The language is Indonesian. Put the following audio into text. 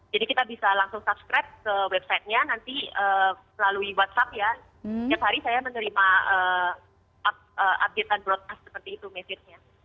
jadi kita bisa langsung subscribe ke websitenya nanti melalui whatsapp ya setiap hari saya menerima update dan broadcast seperti itu message nya